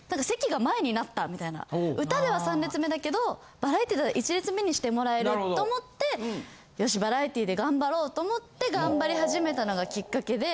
歌では３列目だけどバラエティーだったら１列目にしてもらえると思ってよしバラエティーで頑張ろうと思って頑張り始めたのがきっかけで。